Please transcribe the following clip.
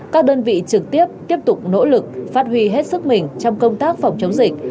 các đơn vị trực tiếp tiếp tục nỗ lực phát huy hết sức mình trong công tác phòng chống dịch